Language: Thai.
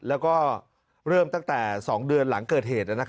แล้วก็เริ่มตั้งแต่๒เดือนหลังเกิดเหตุ